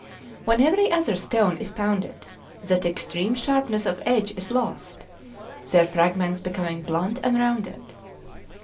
When every other stone is pounded, that extreme sharpness of edge is lost; their fragments becoming blunt and rounded.